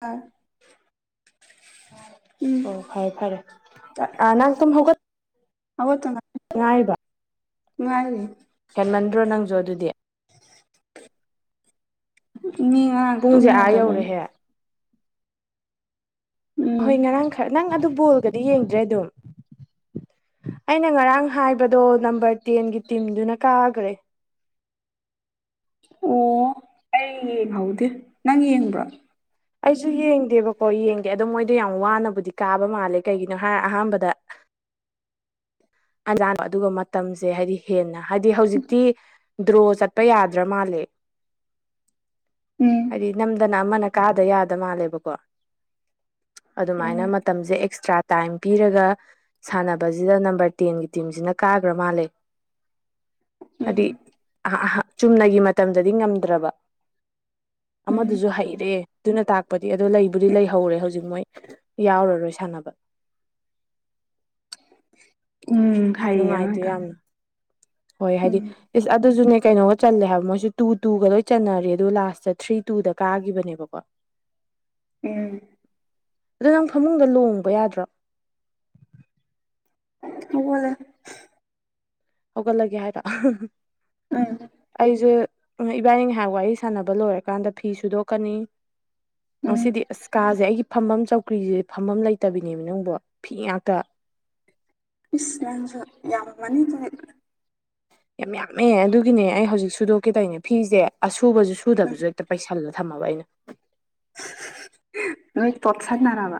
ꯑꯥ ꯑꯣ ꯐꯔꯦ ꯐꯔꯦ ꯑ ꯅꯪ ꯇꯨꯝ ꯍꯧꯒꯠ ꯍꯧꯒꯠꯇꯅ ꯔꯥꯏꯔꯤꯕ ꯉꯥꯏꯔꯤ ꯍꯦꯟꯃꯟꯗ꯭ꯔꯣ ꯅꯪꯖꯨ ꯑꯗꯨꯗꯤ ꯃꯤ ꯉꯔꯥꯡ ꯇꯨꯝ ꯄꯨꯡꯁꯦ ꯑꯥ ꯌꯥꯗꯕꯩꯅꯤ ꯌꯧꯔꯦꯍꯦ ꯎꯝ ꯑꯍꯣꯏ ꯉꯔꯥꯡ ꯈꯔ ꯅꯪ ꯑꯗꯨ ꯕꯣꯜꯒꯗꯤ ꯌꯦꯡꯗ꯭ꯔꯦ ꯑꯗꯨꯝ ꯑꯩꯅ ꯉꯔꯥꯡ ꯍꯥꯏꯕꯗꯣ ꯅꯝꯕꯔ ꯇꯦꯟꯒꯤ ꯇꯤꯝꯗꯨꯅ ꯀꯥꯒ꯭ꯔꯦ ꯑꯣ ꯑꯩ ꯌꯦꯡꯍꯧꯗꯦ ꯅꯪ ꯌꯦꯡꯕ꯭ꯔꯥ ꯑꯩꯁꯨ ꯌꯦꯡꯗꯦꯕꯀꯣ ꯌꯦꯡꯗꯦ ꯑꯗꯣ ꯃꯣꯏꯗꯣ ꯌꯥꯝ ꯋꯥꯅꯕꯨꯗꯤ ꯀꯥꯕ ꯃꯥꯜꯂꯦ ꯀꯩꯒꯤꯅꯣ ꯍꯥꯏꯔ ꯑꯍꯥꯟꯕꯗ ꯑꯂꯥꯟ ꯑꯗꯨꯒ ꯃꯇꯝꯁꯦ ꯍꯥꯏꯗꯤ ꯍꯦꯟꯅ ꯍꯥꯏꯗꯤ ꯍꯧꯖꯤꯛꯇꯤ ꯗ꯭ꯔꯣ ꯆꯠꯄ ꯌꯥꯗ꯭ꯔꯥ ꯃꯥꯜꯂꯦ ꯎꯝ ꯍꯥꯏꯗꯤ ꯅꯝꯗꯅ ꯑꯃꯅ ꯀꯥꯗ ꯌꯥꯗ ꯃꯥꯜꯂꯦꯕꯀꯣ ꯑꯗꯨꯃꯥꯏꯅ ꯎꯝ ꯃꯠ ꯇꯝꯁꯦ ꯑꯦꯛꯁꯇ꯭ꯔꯥ ꯇꯥꯏꯝ ꯄꯤꯔꯒ ꯁꯥꯟꯅꯕꯖꯤꯗ ꯅꯝꯕꯔ ꯇꯦꯟꯒꯤ ꯇꯤꯝꯖꯤꯅ ꯀꯥꯒ꯭ꯔ ꯃꯥꯜꯂꯦ ꯎꯝ ꯑꯗꯨꯏ ꯑꯍꯥ ꯍꯥ ꯆꯨꯝꯅꯒꯤ ꯃꯇꯝꯗꯗꯤ ꯉꯝꯗ꯭ꯔꯕ ꯎꯝ ꯑꯃꯗꯨꯖꯨ ꯍꯩꯔꯦ ꯗꯨꯅ ꯇꯥꯛꯄꯗꯤ ꯑꯗꯣ ꯂꯩꯕꯨꯗꯤ ꯂꯩꯍꯧꯔꯦ ꯍꯧꯖꯤꯛ ꯃꯣꯏ ꯌꯥꯎꯔꯔꯣꯏ ꯁꯥꯟꯅꯕ ꯎꯝ ꯍꯥꯏꯌꯦ ꯅꯨꯡꯉꯥꯏꯇꯦ ꯑꯃꯗꯣ ꯌꯥꯝꯅ ꯍꯣꯏ ꯍꯥꯏꯗꯤ ꯎꯝ ꯏꯁ ꯑꯗꯨꯖꯅꯦ ꯀꯩꯅꯣ ꯆꯜꯂꯦ ꯍꯥꯏꯕ ꯃꯣꯏꯖꯨ ꯇꯨ ꯇꯨꯒ ꯂꯣꯏ ꯆꯟꯅꯔꯦ ꯑꯗꯨ ꯂꯥꯁꯇ ꯊ꯭ꯔꯤ ꯇꯨꯗ ꯀꯥꯈꯤꯕꯅꯦꯕꯀꯣ INAUDIBLE ꯎꯪ ꯑꯗꯣ ꯅꯪ ꯐꯃꯨꯡꯗ ꯂꯣꯡꯕ ꯌꯥꯗ꯭ꯔꯣ ꯍꯧꯒꯠꯂꯦ ꯍꯧꯒꯠꯂꯒꯦ ꯍꯥꯏꯕ ꯎꯪ ꯑꯩꯖꯦ ꯏꯕꯥꯏꯅꯤ ꯉꯥꯏꯍꯥꯛ ꯋꯥꯔꯤ ꯁꯥꯟꯅꯕ ꯂꯣꯏꯔꯀꯥꯟꯗ ꯐꯤ ꯁꯨꯗꯣꯛꯀꯅꯤ ꯎꯝ ꯉꯁꯤꯗꯤ ꯑꯥꯁ ꯀꯥꯖꯦ ꯑꯩꯒꯤ ꯐꯝꯕꯝ ꯆꯧꯀ꯭ꯔꯤꯖꯦ ꯐꯝꯕꯝ ꯂꯩꯇꯕꯤꯅꯦꯕ ꯅꯪꯕꯣ ꯐꯤ ꯉꯥꯛꯇ ꯏꯁ ꯅꯪꯖꯨ ꯌꯥꯝꯃꯝꯃꯅꯤ ꯐꯅꯦꯛ ꯌꯥꯝ ꯌꯥꯝꯃꯦ ꯑꯗꯨꯒꯤꯅꯦ ꯑꯩ ꯍꯧꯖꯤꯛ ꯁꯨꯗꯣꯛꯀꯦ ꯇꯧꯏꯅꯦ ꯐꯤꯖꯦ ꯑꯁꯨꯨꯕꯖꯨ- ꯁꯨꯗꯕꯖꯨ ꯍꯦꯛꯇ ꯄꯩꯁꯜꯂꯦ ꯊꯝꯃꯕ ꯑꯩꯅ ꯂꯣꯏ ꯇꯣꯠꯁꯟꯅꯥꯔꯕ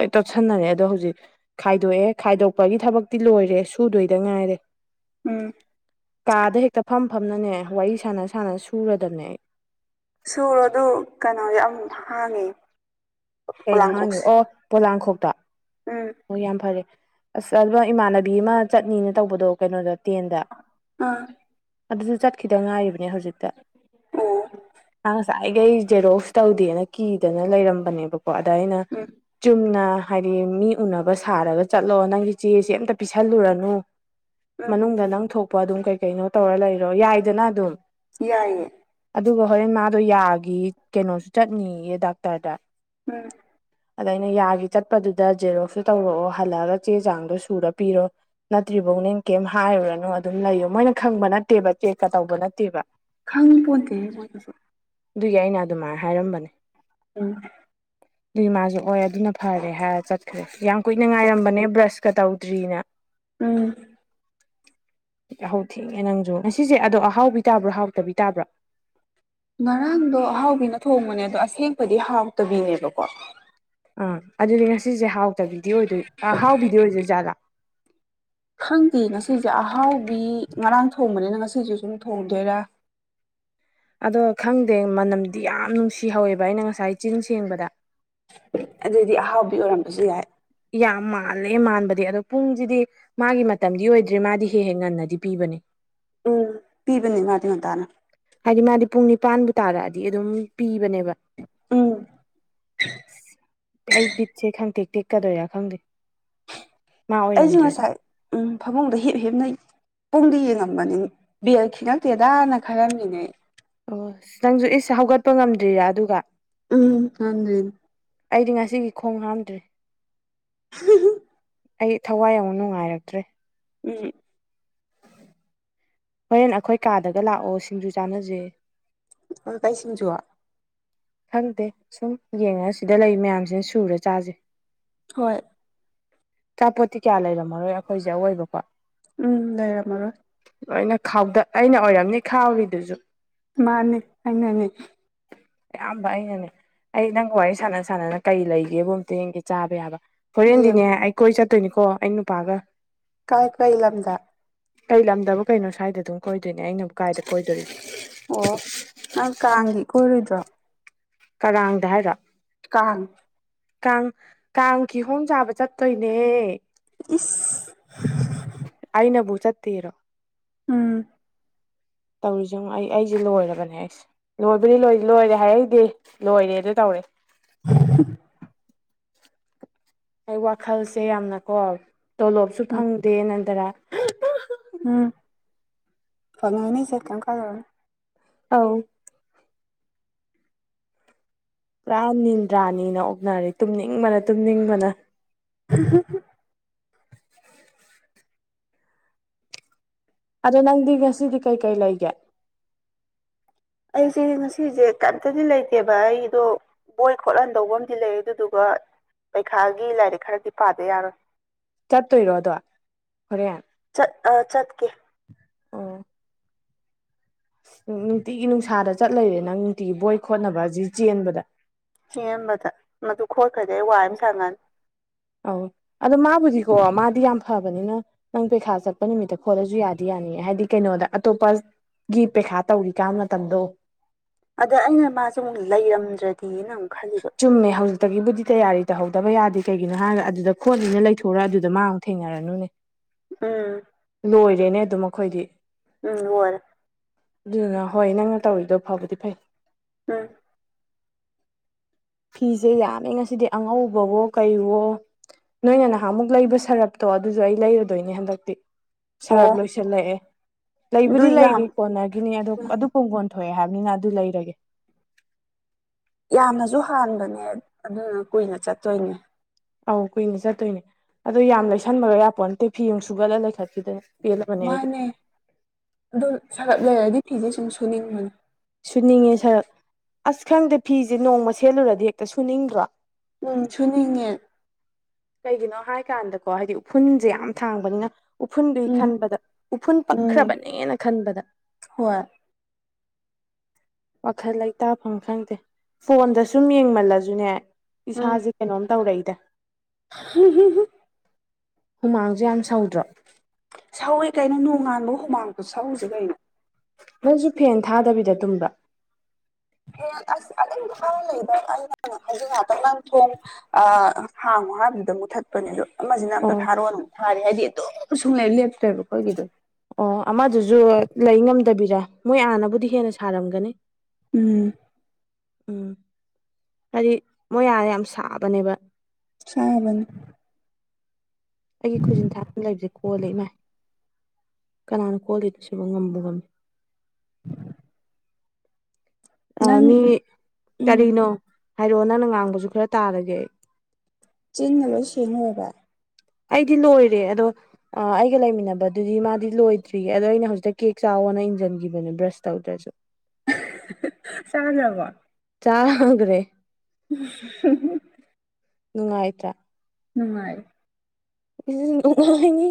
ꯂꯣꯏ ꯇꯣꯠꯁꯟꯅꯔꯦ ꯑꯗꯣ ꯍꯧꯖꯤꯛ ꯈꯥꯏꯗꯣꯛꯑꯦ ꯈꯥꯏꯗꯣꯛꯄꯒꯤ ꯊꯕꯛꯇꯤ ꯂꯣꯏꯔꯦ ꯁꯨꯗꯣꯏꯗ ꯉꯥꯏꯔꯦ ꯎꯪ ꯀꯥꯗ ꯍꯦꯛꯇ ꯐꯝ ꯐꯝꯅꯅꯦ ꯋꯥꯔꯤ ꯁꯥꯟꯅ ꯁꯥꯟꯅ ꯁꯨꯔꯗꯕꯅꯦ ꯑꯩ ꯁꯨꯔꯣ ꯑꯗꯨ ꯀꯩꯅꯣꯒꯤ ꯑꯃꯨꯛ ꯍꯥꯡꯉꯦ ꯀꯩꯅꯣ ꯍꯥꯡꯉꯦ ꯑꯣꯑꯣ ꯄꯣꯂꯥꯡꯈꯣꯛꯇꯣ ꯎꯝ ꯑꯣ ꯌꯥꯝ ꯐꯔꯦ ꯑꯥꯁ ꯑꯗꯨꯗ ꯏꯃꯥꯟꯅꯕꯤ ꯑꯃ ꯆꯠꯅꯤꯅ ꯇꯧꯕꯗꯣ ꯀꯩꯅꯣꯗ ꯇꯦꯟꯗ ꯑꯥ ꯑꯗꯨꯖꯨ ꯆꯠꯈꯤꯗ ꯉꯥꯏꯔꯤꯕꯅꯦ ꯍꯧꯖꯤꯛꯇ ꯑꯣꯑꯣ ꯃꯥ ꯉꯁꯥꯏꯈꯩ ꯖꯦꯔꯣꯛꯁ ꯇꯧꯗꯦꯅ ꯀꯤꯗꯅ ꯂꯩꯔꯝꯕꯅꯦꯕ ꯀꯣ ꯑꯗ ꯑꯩꯅ ꯎꯝ ꯆꯨꯝꯅ ꯍꯥꯏꯗꯤ ꯃꯤ ꯎꯟꯅꯕ ꯁꯥꯔꯒ ꯆꯠꯂꯣ ꯅꯪꯒꯤ ꯆꯦꯖꯦ ꯑꯝꯇ ꯄꯤꯁꯜꯂꯨꯔꯅꯨ ꯎꯝ ꯃꯅꯨꯡꯗ ꯅꯪ ꯊꯣꯛꯄ ꯑꯗꯨꯝ ꯀꯩ ꯀꯩꯅꯣ ꯇꯧꯔ ꯂꯩꯔꯣ ꯌꯥꯏꯗꯅ ꯑꯗꯨꯝ ꯌꯥꯏꯌꯦ ꯑꯗꯨꯒ ꯍꯣꯔꯦꯟ ꯃꯥꯗꯣ ꯌꯥꯒꯤ ꯀꯩꯅꯣꯖꯨ ꯆꯠꯅꯤꯑꯌꯦ ꯗꯥꯛꯇꯔꯗ ꯎꯪ ꯑꯗꯧꯗ ꯌꯥꯒꯤ ꯆꯠꯄꯗꯨꯗ ꯖꯦꯔꯣꯛꯁꯨ ꯇꯧꯔꯛꯑꯣ ꯍꯜꯂꯛꯑꯒ ꯆꯦ ꯆꯥꯡꯗꯣ ꯁꯨꯔ ꯄꯤꯔꯣ ꯅꯠꯇ꯭ꯔꯤꯕꯧ ꯍꯣꯔꯦꯟ ꯀꯩꯝ ꯍꯥꯏꯔꯨꯔꯅꯣ ꯑꯗꯨꯝ ꯂꯩꯌꯣ ꯃꯣꯏꯅ ꯈꯪꯕ ꯅꯠꯇꯦꯕ ꯆꯦꯛꯀ ꯇꯧꯕ ꯅꯠꯇꯦꯕ ꯈꯪꯄꯣꯟꯇꯦꯍꯦ ꯃꯣꯏꯒꯤꯁꯦ ꯑꯗꯨꯒꯤ ꯑꯩꯅ ꯑꯗꯨꯃꯥꯏꯅ ꯍꯥꯏꯔꯝꯕꯅꯦ ꯎꯪ ꯑꯗꯨꯏ ꯃꯥꯖꯨ ꯑꯣꯏ ꯑꯗꯨꯅ ꯐꯔꯦ ꯍꯥꯏꯔ ꯆꯠꯈ꯭ꯔꯦ ꯌꯥꯝ ꯀꯨꯏꯅ ꯉꯥꯏꯔꯝꯕꯅꯦ ꯕ꯭ꯔꯁꯀ ꯇꯧꯗ꯭ꯔꯤꯑꯅ ꯎꯪ ꯌꯥꯍꯧ ꯊꯦꯡꯉꯦ ꯅꯪꯖꯨ ꯉꯁꯤꯖꯦ ꯑꯗꯣ ꯑꯍꯥꯎꯕꯤ ꯇꯥꯕ꯭ꯔꯣ- ꯍꯥꯎꯇꯕꯤ ꯇꯥꯕ꯭ꯔꯣ ꯉꯔꯥꯡꯗꯣ ꯑꯍꯥꯎꯕꯤꯅ ꯊꯣꯡꯕꯅꯦ ꯑꯗꯣ ꯑꯁꯦꯡꯕꯗꯤ ꯍꯥꯎꯇꯕꯤꯅꯦꯕꯀꯣ ꯑꯥ ꯑꯗꯨꯗꯤ ꯉꯁꯤꯖꯦ ꯍꯥꯎꯇꯕꯤꯗꯤ ꯑꯣꯏꯗꯣꯏ ꯑꯍꯥꯎꯕꯤꯗꯤ ꯑꯣꯏꯗꯣꯏ ꯖꯥꯠꯂꯥ ꯈꯪꯗꯦ ꯉꯁꯤꯖꯦ ꯑꯍꯥꯎꯕꯤ ꯉꯔꯥꯡ ꯊꯣꯡꯕꯅꯤꯅ ꯉꯁꯤꯖꯨ ꯖꯨꯝ ꯊꯣꯡꯗꯣꯏꯔꯥ ꯑꯗꯣ ꯈꯪꯗꯦ ꯃꯅꯝꯗꯤ ꯌꯥꯝ ꯅꯨꯡꯁꯤꯍꯧꯋꯦꯕ ꯑꯩꯅ ꯉꯁꯥꯏ ꯆꯤꯟ ꯁꯦꯡꯕꯗ ꯑꯗꯨꯗꯤ ꯑꯍꯥꯎꯕꯤ ꯑꯣꯏꯔꯝꯕꯖꯨ ꯌꯥꯏ ꯌꯥꯝ ꯃꯥꯜꯂꯦ ꯃꯥꯟꯕꯗꯤ ꯑꯗꯣ ꯄꯨꯡꯖꯤꯗꯤ ꯃꯥꯒꯤ ꯃꯇꯝꯗꯤ ꯑꯣꯏꯗ꯭ꯔꯦ ꯃꯥꯗꯤ ꯍꯦꯛ ꯍꯦꯛ ꯉꯟꯅꯗꯤ ꯄꯤꯕꯅꯤ ꯎꯝ ꯄꯤꯕꯅꯤ ꯃꯥꯗꯤ ꯉꯟꯇꯥꯅ꯫ ꯍꯥꯏꯗꯤ ꯃꯥꯗꯤ ꯄꯨꯡ ꯅꯤꯄꯥꯟꯕꯨ ꯇꯥꯔꯛꯑꯗꯤ ꯑꯗꯨꯝ ꯄꯤꯕꯅꯦꯕ꯫ ꯎꯝ ꯑꯩ ꯕꯤꯠꯁꯦ ꯈꯪꯇꯦꯛ ꯇꯦꯛꯀꯗꯣꯏꯔ ꯈꯪꯗꯦ꯫ ꯃꯥ ꯑꯩꯁꯨ ꯑꯣꯏꯔꯝꯗ꯭ꯔꯗꯤ ꯉꯁꯥꯏ ꯎꯝ ꯐꯃꯨꯡꯗ ꯍꯤꯞ ꯍꯤꯞꯅ ꯄꯨꯡꯗꯤ ꯌꯦꯡꯉꯝꯕꯅꯤ ꯕꯦꯜ ꯈꯤꯉꯛꯇꯦꯗꯥꯅ ꯈꯥꯜꯂꯝꯃꯤꯅꯦ꯫ ꯑꯣ ꯅꯪꯁꯨ ꯏꯁ ꯍꯧꯒꯠꯄ ꯉꯝꯗ꯭ꯔꯤꯔꯥ ꯑꯗꯨꯒ? ꯎꯝ ꯉꯝꯗ꯭ꯔꯤꯅꯦ꯫ ꯑꯩꯗꯤ ꯉꯁꯤꯒꯤ ꯈꯣꯡ ꯍꯥꯝꯗ꯭ꯔꯤ꯫ [unintelligible] ꯑꯩ ꯊꯋꯥꯏ ꯑꯃꯨꯛ ꯅꯨꯡꯉꯥꯏꯔꯛꯇ꯭ꯔꯦ꯫ ꯎꯝ ꯍꯣꯔꯦꯟ ꯑꯈꯣꯏ ꯀꯥꯗꯒ ꯂꯥꯛꯑꯣ ꯁꯤꯡꯖꯨ ꯆꯥꯅꯖꯦ꯫ ꯀꯩ ꯁꯤꯡꯖꯨ? ꯈꯪꯇꯦ ꯁꯨꯝ ꯌꯦꯡꯉꯒ ꯁꯤꯗ ꯂꯩ ꯃꯌꯥꯝꯁꯤꯅ ꯁꯨꯔ ꯆꯥꯖꯦ꯫ ꯍꯣꯏ꯫ ꯑꯆꯥꯄꯣꯠꯇꯤ ꯀꯌꯥ ꯂꯩꯔꯝꯃꯔꯣꯏ ꯑꯈꯣꯏꯁꯦ, ꯑꯋꯣꯏꯕꯀꯣ? ꯎꯝ ꯂꯩꯏꯔꯝꯃꯔꯣꯏ꯫ ꯂꯣꯏꯅ ꯈꯥꯎꯗ ꯑꯩꯅ ꯑꯣꯏꯔꯝꯅꯤ ꯈꯥꯎꯔꯤꯗꯨꯁꯨ꯫ ꯃꯥꯅꯦ ꯑꯩꯅꯅꯤ꯫ ꯑꯌꯥꯝꯕ ꯑꯩꯅꯅꯤ꯫ ꯑꯩ ꯅꯪ ꯋꯥꯔꯤ ꯁꯥꯟꯅ ꯁꯥꯟꯅꯅ ꯀꯩ ꯂꯩꯒꯦꯕꯨ ꯑꯝꯇ ꯌꯦꯡꯒꯦ ꯆꯥꯕ ꯌꯥꯕ꯫ ꯍꯣꯔꯦꯟꯗꯤꯅꯦ ꯌꯦꯡꯉꯨ ꯑꯩ ꯀꯣꯏ ꯆꯠꯇꯣꯏꯅꯤꯀꯣ ꯑꯩ ꯅꯨꯄꯥꯒ꯫ ꯀꯥꯏ ꯀꯩ ꯂꯝꯗ? ꯀꯩ ꯂꯝꯗꯕꯨ ꯀꯩꯅꯣ ꯁ꯭ꯋꯥꯏꯗ ꯑꯗꯨꯝ ꯀꯣꯏꯗꯣꯏꯅꯦ ꯑꯩꯅꯕꯨ ꯀꯥꯏꯗ ꯀꯣꯏꯗꯣꯔꯤꯒꯦ꯫ ꯑꯣ ꯅꯪ ꯀꯥꯡꯗꯤ ꯀꯣꯏꯔꯣꯏꯗ꯭ꯔꯣ? ꯀꯥꯔꯥꯡꯗ ꯍꯥꯏꯔꯣ? ꯀꯥꯡ꯫ ꯀꯥꯡ ꯀꯥꯡ ꯀꯤꯍꯣꯡ ꯆꯥꯕ ꯆꯠꯇꯣꯏꯅꯦ꯫ ꯏꯁ꯫ ꯑꯩꯅꯕꯨ ꯆꯠꯇꯦꯔꯣ꯫ ꯎꯝ꯫ ꯇꯧꯔꯤꯁꯦ ꯌꯦꯡꯉꯣ ꯑꯩ ꯑꯩꯁꯦ ꯂꯣꯏꯔꯕꯅꯦ ꯑꯩꯁꯦ꯫ ꯂꯣꯏꯕꯨꯗꯤ ꯂꯣꯏ ꯂꯣꯏꯔꯦ ꯍꯥꯏꯍꯩꯗꯦ ꯂꯣꯏꯔꯦ ꯑꯗꯨ ꯇꯧꯔꯦ꯫ [unintelligible] ꯑꯩ ꯋꯥꯈꯜꯁꯦ ꯌꯥꯝꯅꯀꯣ ꯇꯣꯂꯣꯞꯁꯨ ꯎꯝ ꯐꯪꯗꯦ ꯅꯟꯗꯔꯥ ꯎꯝ ꯐꯪꯉꯅꯤꯁꯦ ꯀꯦꯝ ꯈꯟꯂꯨꯔꯅꯨ꯫ ꯑꯧ꯫ ꯄꯨꯔꯥ ꯅꯤꯟꯗ꯭ꯔꯥꯅꯤꯅ ꯑꯣꯛꯅꯔꯦ ꯇꯨꯝꯅꯤꯡꯕꯅ ꯇꯨꯝꯅꯤꯡꯕꯅ꯫ [unintelligible] ꯑꯗꯣ ꯅꯪꯗꯤ ꯉꯁꯤꯗꯤ ꯀꯩꯀꯩ ꯂꯩꯒꯦ? ꯑꯩꯁꯦ ꯉꯁꯤꯁꯦ ꯀꯝꯇꯗꯤ ꯂꯩꯇꯦꯕ ꯑꯩꯗꯣ, ꯕꯣꯏ ꯈꯣꯠꯍꯟꯗꯧꯕ ꯑꯃꯗꯤ ꯂꯩ ꯑꯗꯨꯗꯨꯒ, ꯄꯩꯈꯥꯒꯤ ꯂꯥꯏꯔꯤꯛ ꯈꯔꯗꯤ ꯄꯥꯗ ꯌꯥꯔꯣꯏ꯫ ꯆꯠꯇꯣꯏꯔꯣ ꯑꯗꯣ ꯍꯣꯔꯦꯟ? ꯆꯠ ꯑꯥ ꯆꯠꯀꯦ꯫ ꯑꯣ ꯎꯝ ꯅꯨꯡꯇꯤꯒꯤ ꯅꯨꯡꯁꯥꯗ ꯆꯠ ꯂꯩꯔꯦ ꯅꯪ ꯅꯨꯡꯇꯤꯒꯤ ꯕꯣꯏ ꯈꯣꯠꯅꯕ ꯁꯤꯒꯤ ꯆꯦꯟꯕꯗ ꯁꯦꯝꯕꯗ ꯃꯗꯨ ꯈꯣꯠꯈ꯭ꯔꯗꯤ ꯑꯩ ꯋꯥꯏ ꯑꯝ ꯁꯪꯉꯅꯤ ꯑꯧ ꯑꯗꯣ ꯃꯥꯕꯨꯗꯤꯀꯣ ꯃꯥꯗꯤ ꯌꯥꯝ ꯐꯕꯅꯤꯅ ꯅꯪ ꯄꯩꯈꯥ ꯆꯠꯄ ꯅꯨꯃꯤꯠꯇ ꯈꯣꯠꯂꯁꯨ ꯌꯥꯗꯤ ꯌꯥꯅꯤꯌꯦ ꯍꯥꯏꯗꯤ ꯀꯩꯅꯣꯗ ꯑꯇꯣꯞꯄꯁ ꯒꯤ ꯄꯩꯈꯥ ꯇꯧꯔꯤꯀꯟ ꯃꯇꯝꯗꯣ ꯑꯗꯣ ꯑꯩꯅ ꯃꯥꯁꯤꯃꯨꯛ ꯂꯩꯔꯝꯗ꯭ꯔꯗꯤꯅ ꯑꯃꯨꯛ ꯈꯜꯂꯤꯕ ꯆꯨꯝꯃꯦ ꯍꯧꯖꯤꯛꯇꯒꯤꯕꯨꯗꯤ ꯇꯌꯥꯔꯤ ꯇꯧꯍꯧꯗꯕ ꯌꯥꯗꯦ ꯀꯩꯒꯤꯅꯣ ꯍꯥꯏꯔꯒ ꯑꯗꯨꯗ ꯈꯣꯠꯂꯤꯅ ꯂꯩꯊꯣꯔꯥ ꯑꯗꯨꯗ ꯃꯥ ꯊꯦꯡꯅꯔꯅꯨꯅꯦ [inaudible] ꯎꯝ ꯂꯣꯏꯔꯦꯅꯦ ꯑꯗꯨꯝ ꯑꯈꯣꯏꯗꯤ ꯎꯝ ꯂꯣꯏꯔꯦ ꯗꯨꯗꯨꯅ ꯍꯣꯏ ꯅꯪꯅ ꯇꯧꯔꯤꯗꯣ ꯐꯥꯕꯨꯗꯤ ꯐꯩ ꯎꯝ ꯐꯤꯁꯦ ꯌꯥꯝꯃꯦ ꯉꯁꯤꯗꯤ ꯑꯉꯧꯕꯋꯣ ꯀꯩꯋꯣ ꯅꯣꯏꯅ ꯅꯍꯥꯟꯃꯨꯛ ꯂꯩꯕ ꯁꯥꯔꯞꯇꯣ ꯑꯗꯨꯁꯨ ꯑꯩ ꯂꯩꯔꯨꯗꯣꯏꯅꯦ ꯍꯟꯗꯛꯇꯤ ꯁꯥꯔꯞ ꯑꯣ ꯂꯣꯏꯁꯤꯜꯂꯛꯑꯦ ꯑꯗꯨ ꯂꯩꯕꯨꯗꯤ ꯌꯥꯝ ꯂꯩꯔꯤ ꯀꯣꯟꯅꯒꯤꯅꯤ ꯑꯗꯣ ꯎꯝ ꯑꯗꯨꯛ ꯀꫭꯡꯒꯣꯟ ꯊꯣꯛꯑꯦ ꯍꯥꯏꯕꯅꯤꯅ ꯑꯗꯨ ꯂꯩꯔꯒꯦ ꯌꯥꯝꯅꯁꯨ ꯍꯥꯟꯕꯅꯦ ꯑꯗꯨꯗꯨꯅ ꯀꯨꯏꯅ ꯆꯠꯇꯣꯏꯅꯦ ꯑꯧ ꯀꯨꯏꯅ ꯆꯠꯇꯣꯏꯅꯦ ꯑꯗꯣ ꯌꯥꯝ ꯂꯩꯁꯟꯕꯒ ꯌꯥꯄꯣꯟꯇꯦ ꯐꯤ ꯃꯨꯛ ꯁꯨꯒꯠꯂ ꯂꯩꯈꯠꯈꯤꯗꯅ ꯄꯦꯜꯂꯕꯅꯦ ꯑꯩꯗꯤ ꯃꯥꯅꯦ ꯑꯗꯣ ꯁꯥꯔꯞ ꯂꯩꯔꯗꯤ ꯐꯤꯁꯦ ꯁꯨꯝ ꯁꯨꯅꯤꯡꯕꯅꯦ ꯁꯨꯅꯤꯡꯉꯦ ꯁꯥꯔꯞ ꯑꯁ ꯈꯪꯗꯦ ꯐꯤꯁꯦ ꯅꯣꯡꯃ ꯁꯦꯠꯂꯨꯔꯗꯤ ꯍꯦꯛꯇ ꯁꯨꯅꯤꯡꯗ꯭ꯔꯣ ꯎꯝ ꯁꯨꯅꯤꯡꯉꯦ ꯀꯩꯒꯤꯅꯣ ꯍꯥꯏꯀꯥꯟꯗꯀꯣ ꯍꯥꯏꯗꯤ ꯎꯐꯨꯟꯁꯦ ꯌꯥꯝ ꯊꯥꯡꯕꯅꯤꯅ ꯎꯐꯨꯟꯗꯨꯏ ꯎꯝ ꯈꯟꯕꯗ ꯎꯐꯨꯟ ꯎꯝ ꯄꯛꯈ꯭ꯔꯕꯅꯦꯅ ꯈꯟꯕꯗ ꯍꯣꯏ ꯋꯥꯈꯜ ꯂꯩꯇꯥꯐꯝ ꯈꯪꯗꯦ ꯐꯣꯟꯗ ꯁꯨꯝ ꯌꯦꯡꯃꯜꯂꯁꯨꯅꯦ ꯏꯁꯥꯁꯦ ꯀꯩꯅꯣꯝ ꯇꯧꯔ ꯏꯗ ꯍ ꯍꯨ ꯍꯨ ꯍꯨꯃꯥꯡꯁꯨ ꯌꯥꯝ ꯁꯧꯗ꯭ꯔꯣ ꯁꯧꯋꯦ ꯀꯩꯅꯣ ꯅꯣꯡꯉꯥꯟꯕ ꯍꯨꯃꯥꯡ ꯈꯨꯁꯧꯁꯦ ꯀꯩꯅꯣ ꯅꯪꯁꯨ ꯐꯦꯟ ꯊꯥꯗꯕꯤꯗ ꯇꯨꯝꯕ꯭ꯔꯥ ꯑꯁ ꯑꯗꯨ ꯊꯥ ꯂꯩꯗ ꯑꯩꯅ ꯍꯧꯖꯤꯡ ꯉꯍꯥꯛꯇꯪ ꯅꯪ ꯊꯣꯡ ꯑ ꯍꯥꯡꯉꫭ ꯍꯥꯏꯕꯗꯨꯗ ꯃꯨꯠꯊꯠ ꯄꯅꯦꯗꫭ ꯑꯗꯣ ꯑꯃꯁꯤꯅ ꯑꯣ ꯑꯝꯇ ꯊꯥꯔꯣꯑꯣ ꯊꯥꯔꯦ ꯍꯥꯏꯗꯤ ꯑꯗꯨꯝ ꯁꯨꯡꯂꯩ ꯂꯦꯞꯇ꯭ꯔꯦꯕ ꯑꯩꯈꯣꯏꯒꯤꯗꯣ ꯑꯣ ꯑꯃꯗꯨꯁꯨ ꯂꯩ ꯉꯝꯗꯕꯤꯔ ꯃꯣꯏ ꯑꯥꯅꯕꯨꯗꯤ ꯍꯦꯟꯅ ꯁꯥꯔꯝꯒꯅꯤ ꯎꯝ ꯎꯝ ꯍꯥꯏꯗꯤ ꯃꯣꯏ ꯑꯥ ꯌꯥꯝ ꯁꯥꯕꯅꯦꯕ ꯁꯥꯕꯅꯤ ꯑꯩꯒꯤ ꯈꯨꯖꯤꯟ ꯊꯥꯡ ꯑꯝ ꯂꯩꯕꯁꯦ ꯀꯣꯜꯂꯦ ꯃꯥꯏ ꯀꯅꯥꯅ ꯀꯣꯜꯂꯤꯅꯣ ꯁꯤꯕꯨ ꯉꯝꯕꯨ ꯉꯝꯃꯤ ꯑꯥ ꯅꯪ ꯃꯤ ꯎꯝ ꯀꯔꯤꯅꯣ ꯍꯥꯏꯔꯛꯑꯣ ꯅꯪꯅ ꯉꯥꯡꯕꯁꯨ ꯈꯔ ꯇꯥꯔꯒꯦ ꯑꯩ ꯆꯤꯟꯅ ꯂꯣꯏ ꯁꯦꯡ ꯂꫭꯏꯔꯕ ꯑꯩꯗꯤ ꯂꯣꯏꯔꯦ ꯑꯗꯣ ꯑ ꯑꯩꯒ ꯂꯩꯃꯤꯟꯅꯕꯗꯨꯗꯤ ꯃꯥꯗꯤ ꯂꯣꯏꯗ꯭ꯔꯤꯌꯦ ꯑꯗꯣ ꯑꯩꯅ ꯍꯧꯖꯤꯛꯇ ꯀꯦꯛ ꯆꯥꯎꯑꯣꯅ ꯏꯟꯖꯟꯒꯤꯕꯅꯦ ꯕ꯭ꯔꯁ ꯇꯧꯗ꯭ꯔꯖꯨ [inaudible] [unintelligible] ꯆꯥꯗ꯭ꯔꯕꯣ ꯆꯥꯒ꯭ꯔꯦ [unintelligible] ꯅꯨꯡꯉꯥꯏꯇ꯭ꯔꯥ ꯅꯨꯡꯉꯥꯏ ꯎꯝ ꯅꯨꯡꯉꯥꯏꯅꯤ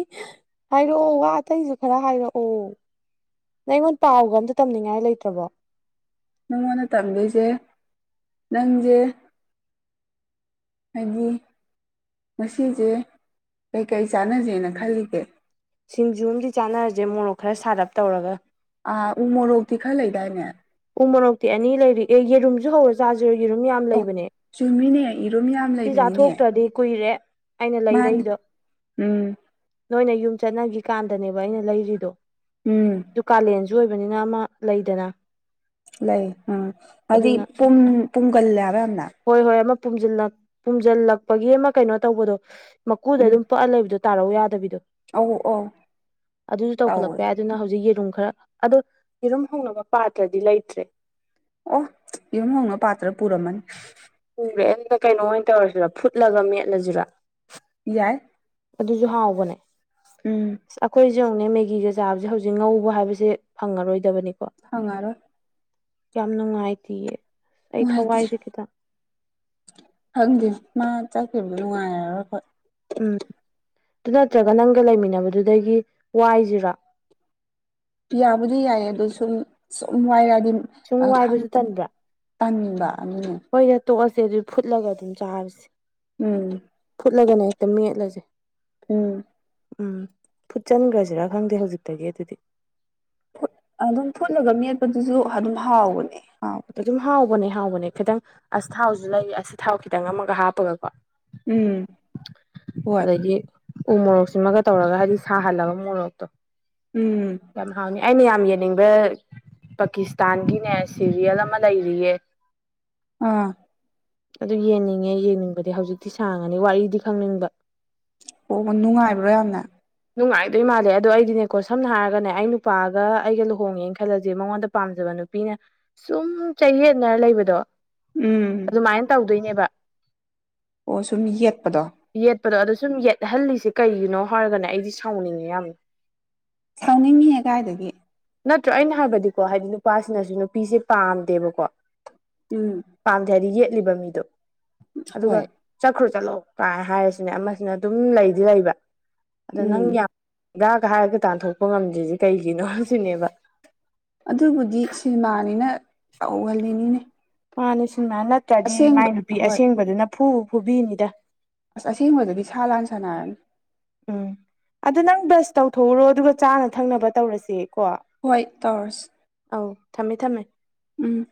ꯍꯥꯏꯔꯛꯑꯣ ꯋꯥ ꯑꯇꯩꯁꯨ ꯈꯔ ꯍꯥꯏꯔꯛꯑꯣ ꯅꯪ ꯑꯩꯉꯣꯟ ꯄꯥꯎꯒ ꯑꯝꯇ ꯇꯝꯅꯤꯡꯉꯥꯏ ꯂꯩꯇ꯭ꯔꯕꯣ ꯅꯪꯉꯣꯟꯗ ꯇꯝꯗꯣꯏꯁꯦ ꯅꯪꯖꯦ ꯍꯥꯏꯗꯤ ꯉꯁꯤꯁꯦ ꯀꯩꯀꯩ ꯆꯥꯟꯅꯁꯦꯅ ꯈꯜꯂꯤꯒꯦ ꯁꯤꯡꯖꯨ ꯑꯝꯗꯤ ꯆꯥꯅꯔꯖꯦ ꯃꯣꯔꯣꯛ ꯈ꯭ꯔ ꯁꯥꯔꯞ ꯇꯧꯔꯒ ꯑꯥ ꯎ ꯃꯣꯔꯣꯛꯇꯤ ꯈꯔ ꯂꯩꯗꯥꯏꯅꯦ ꯎ ꯃꯣꯔꯣꯛꯇꯤ ꯑꯅꯤ ꯂꯩꯔꯤꯒꯩ ꯌꯦꯔꯨꯝꯁꯨ ꯍꯧꯔ ꯆꯥꯖꯤꯔ‌ꯣ ꯌ‌ꯦꯔꯨꯝ ꯌꯥꯝ ꯑꯣ ꯂꯩꯕꯅꯦ ꯆꯨꯝꯃꯤꯅꯦ ꯏꯔꯨꯝ ꯌꯥꯝ ꯁꯤ ꯂꯩꯕꯅꯤꯅꯦ ꯆꯥꯊꯣꯛꯇ꯭ꯔꯗꯤ ꯀꯨꯏꯔꯦ ꯑꯩꯅ ꯃꯥꯅꯤ ꯂꯩꯔꯛꯏꯗꯣ ꯎꯝ ꯅꯣꯏꯅ ꯌꯨꯝ ꯆꯠꯅꯒꯤ ꯀꯥꯟꯗꯅꯦꯕ ꯑꯩꯅ ꯂꯩꯔꯤꯗꯣ ꯎꯝ ꯑꯗꯨ ꯀꯥꯂꯦꯟꯁꯨ ꯑꯣꯏꯕꯅꯤꯅ ꯑꯃ ꯂꯩꯗꯅ ꯂꯩ ꯑ ꯍꯥꯏꯗꯤ ꯑꯗꯨꯅ ꯄꯨꯝ ꯄꯨꯝꯒꯜꯂꯦꯕ ꯌꯥꯝꯅ ꯍꯣꯏ ꯍꯣꯏ ꯑꯃ ꯄꯨꯝꯖꯜꯂꯛ ꯄꯨꯖꯜꯂꯛꯄꯒꯤ ꯑꯃ ꯀꯩꯅꯣ ꯇꯧꯕꯗꯣ ꯃꯀꯨꯗ ꯎꯝ ꯑꯗꯨꯝ ꯄꯛꯑ ꯂꯩꯕꯗꯣ ꯇꯥꯔꯛꯎ ꯌꯥꯗꯕꯤꯗꯣ ꯑꯧ ꯑꯧ ꯑꯗꯨꯁꯨ ꯇꯧꯋꯦ ꯇꯧꯈꯠꯂꯛꯄ ꯌꯥꯏ ꯑꯗꯨꯅ ꯍꯧꯖꯤꯛ ꯌꯦꯔꯨꯝ ꯈ꯭ꯔ ꯑꯗꯣ ꯌꯦꯔꯨꯝ ꯍꯧꯅꯕ ꯄꯥꯇ꯭ꯔꯗꯤ ꯂꯩꯇ꯭ꯔꯦ ꯑꯣ ꯌꯦꯔꯨꯝ ꯍꯧꯅ ꯄꯥꯠꯇ꯭ꯔ ꯄꯨꯔꯝꯃꯅꯤ ꯄꯨꯒ꯭ꯔꯦ ꯑꯗꯨꯗꯤ ꯀꯩꯅꯣ ꯑꯣꯏꯅ ꯇꯧꯔꯁꯤꯔ‌ꯣ ꯐꯨꯠꯂꯒ ꯃꯦꯠꯂꯁꯤꯔ‌ꯣ ꯌꯥꯏ ꯑꯗꯨꯁꯨ ꯍꯥꯎꯕꯅꯦ ꯎꯝ ꯑꯩꯈꯣꯏ ꯁꯤ ꯅꯦꯡꯉꯨꯅꯦ ꯃꯦꯒꯤꯒ ꯆꯥꯕꯁꯦ ꯍꯧꯖꯤꯛ ꯉꯧꯕ ꯍꯥꯏꯕꯁꯦ ꯐꯪꯉꯔꯣꯏꯗꯕꯅꯤꯀꯣ ꯐꯪꯉꯔꯣꯏ ꯌꯥꯝ ꯅꯨꯡꯉꯥꯏꯇꯤꯌꯦ ꯑꯩ ꯅꯨꯡꯉꯥꯏꯇꯦ ꯊꯋꯥꯏꯁꯦ ꯈꯤꯇꯪ ꯈꯪꯗꯦ ꯃꯥ ꯆꯠꯈꯤꯕꯗꯨ ꯅꯨꯡꯉꯥꯏꯔꯔꯣꯏ ꯑꯩꯈꫭꯏ ꯎꯝ ꯑꯗꯨ ꯅꯠꯇ꯭ꯔꯒ ꯅꯪꯒ ꯂꯩꯃꯤꯟꯅꯕꯗꯨꯗꯒꯤ ꯋꯥꯏꯖꯤꯔ‌ꯣ ꯌꯥꯕꯨꯗꯤ ꯌꯥꯏꯌꯦ ꯑꯗꯨ ꯁꯨꯝ ꯁꯨꯝ ꯋꯥꯏꯔꯛꯑꯗꯤ ꯁꯨꯝ ꯑ ꯋꯥꯏꯕꯁꯨ ꯈꯪꯇ ꯇꯟꯕ꯭ꯔꯥ ꯇꯟꯅꯤꯡꯕ ꯑꯗꯨꯅꯦ ꯍꯣꯏꯗ ꯇꯣꯛꯑꯁꯦ ꯑꯗꯨ ꯐꯨꯠꯂꯒ ꯑꯗꯨꯝ ꯆꯥꯔꯁꯦ ꯎꯝ ꯐꯨꯠꯂꯒꯅ ꯍꯦꯛꯇ ꯃ‌ꯦꯠꯂꯁꯦ ꯎꯝ ꯎꯝ ꯐꯨꯠ ꯆꯟꯈ꯭ꯔꯁꯤꯔꯥ ꯈꯪꯗꯦ ꯍꯧꯖꯤꯛꯇꯒꯤ ꯑꯗꯨꯗꯤ ꯐꯨꯠ ꯑꯗꯨꯝ ꯐꯨꯠꯂꯒ ꯃꯦꯠꯄꯗꯨꯁꯨ ꯑꯗꯨꯝ ꯍꯥꯎꯕꯅꯦ ꯍꯥꯎ ꯑꯗꯨꯝ ꯍꯥꯎꯕꯅꯦ ꯍꯥꯎꯕꯅꯦ ꯈꯤꯇꯪ ꯑꯁꯊꯥꯎꯁꯨ ꯂꯩꯌꯦ ꯑꯁꯊꯥꯎ ꯈꯤꯇꯪ ꯑꯃꯒ ꯍꯥꯞꯄꯒꯀꯣ ꯎꯝ ꯍꯣꯏ ꯑꯗꯩꯗꯤ ꯎ ꯃꯣꯔꯣꯛꯁꯤꯃꯒ ꯇꯧꯔꯒ ꯍꯥꯏꯗꯤ ꯁꯥꯍꯜꯂꯒ ꯃꯣꯔꯣꯛꯇꯣ ꯎꯝ ꯌꯥꯝ ꯍꯥꯎꯅꯤ ꯑꯩꯅ ꯌꯥꯝ ꯌꯦꯡꯅꯤꯡꯕ ꯄꯥꯀꯤꯁꯇꯥꯟꯒꯤꯅꯦ ꯁꯦꯔꯤꯌꯦꯜ ꯑꯃ ꯂꯩꯔꯤꯌꯦ ꯑ ꯑꯗꯨ ꯌꯦꯡꯅꯤꯡꯉꯦ ꯌꯦꯡꯅꯤꯡꯕꯗꯤ ꯍꯧꯖꯤꯛꯇꯤ ꯁꯥꯡꯉꯅꯤ ꯋꯥꯔꯤꯗꯤ ꯈꯪꯅꯤꯡꯕ ꯑꯣ ꯅꯨꯡꯉꯥꯏꯕ꯭ꯔꯣ ꯌꯥꯝꯅ ꯅꯨꯡꯉꯥꯏꯗꯣꯏ ꯃꯥꯜꯂꯦ ꯑꯗꯣ ꯑꯩꯗꯤꯅꯦꯀꯣ ꯁꯝꯅ ꯍꯥꯏꯔꯒꯅꯦ ꯑꯩ ꯅꯨꯄꯥꯒ ꯑꯩꯒ ꯂꯨꯍꯣꯡꯉꯦꯅ ꯈꯜꯂꯁꯦ ꯃꯉꯣꯟꯗ ꯄꯥꯝꯖꯕ ꯅꯨꯄꯤ ꯅꯨꯄꯤꯅ ꯁꯨꯝ ꯆꯌꯦꯠꯅ ꯂꯩꯕꯗꯣ ꯎꯝ ꯑꯗꯨꯃꯥꯏꯅ ꯇꯧꯗꯣꯏꯅꯦꯕ ꯑꯣ ꯁꯨꯝ ꯌꯦꯠꯄꯗꯣ ꯌꯦꯠꯄꯗꯣ ꯑꯗꯣ ꯁꯨꯝ ꯌꯦꯠꯍꯜꯂꯤꯁ ꯀꯩꯒꯤꯅꯣ ꯍꯥꯏꯔꯒꯅ ꯑꯩꯗꯤ ꯁꯥꯎꯅꯤꯡꯉꯤ ꯌꯥꯝꯅ ꯁꯥꯎꯅꯤꯡꯍꯦ ꯀꯥꯏꯗꯒꯤ ꯅꯠꯇ꯭ꯔꯣ ꯑꯩꯅ ꯍꯥꯏꯕꯗꯤꯀꯣ ꯍꯥꯏꯗꯤ ꯅꯨꯄꯥꯁꯤꯅꯁꯨ ꯅꯨꯄꯤꯁꯦ ꯄꯥꯝꯗꯦꯕꯀꯣ ꯎꯝ ꯄꯥꯝꯗꯦ ꯍꯥꯏꯗꯤ ꯌꯦꯠꯂꯤꯕ ꯃꯤꯗꯣ ꯑꯗꯨꯒ ꯍꯣꯏ ꯆꯠꯈ꯭ꯔꯨ ꯆꯠꯂꯣ ꯀꯥꯏ ꯍꯥꯏꯔꯤꯁꯤꯅꯦ ꯑꯃꯁꯤꯅ ꯑꯗꯨꯝ ꯂꯩꯗꯤ ꯂꯩꯕ ꯑꯗ ꯅꯪ ꯎꯝ ꯌꯥꯝ ꯕꯔꯥꯒ ꯍꯥꯏꯔꯒ ꯇꯥꯟꯊꯣꯛꯄ ꯉꯝꯗ꯭ꯔꯤꯁꯤ ꯀꯩꯒꯤꯅꯣ ꯍꯧꯖꯤꯅꯦꯕ ꯑꯗꯨꯕꯨꯗꯤ ꯁꯤꯅꯦꯃꯥꯅꯤꯅ ꯇꯧꯍꯜꯂꯤꯅꯤꯅꯦ ꯃꯥꯅꯦ ꯁꯤꯟꯃꯥꯏ ꯅꯠꯇ꯭ꯔꯗꯤ ꯃꯥꯏ ꯑꯁꯦꯡꯕ ꯅꯨꯄꯤ ꯍꯣꯏ ꯑꯁꯦꯡꯕꯗꯨꯅ ꯐꯨꯕꯨ ꯐꯨꯕꯤꯅꯤꯗ ꯑꯁ ꯑꯁꯦꯡꯕꯗꯗꯤ ꯁꯥ ꯂꯥꯟ ꯁꯥꯟꯅꯔꯅꯤ ꯎꯝ ꯑꯗꯨ ꯅꯪ ꯕꯔꯁ ꯇꯧꯊꯣꯛꯎꯔꯣ ꯑꯗꯨꯒ ꯆꯥꯅ ꯊꯛꯅꯕ ꯇꯧꯔꯁꯦꯀꯣ ꯍꯣꯏ ꯇꯧꯔꯁ ꯑꯧ ꯊꯝꯃꯦ ꯊꯝꯃꯦ ꯎꯝ